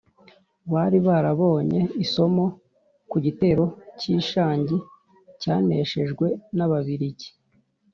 bari barabonye isomo ku gitero cy'i shangi cyaneshejwe n'ababiligi